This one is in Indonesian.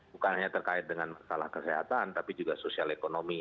bukan hanya terkait dengan masalah kesehatan tapi juga sosial ekonomi